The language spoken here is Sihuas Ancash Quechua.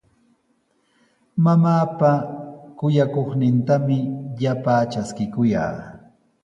Mamaapa kuyakuynintami llapaa traskikuyaa.